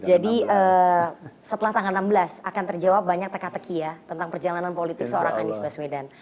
jadi setelah tanggal enam belas akan terjawab banyak teka teki ya tentang perjalanan politik seorang anies baswedan